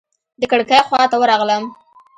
د کړکۍ خواته ورغلم.